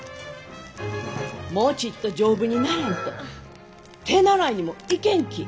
もうちっと丈夫にならんと手習いにも行けんき！